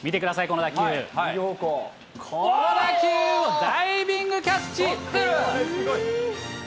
この打球をダイビングキャッチ。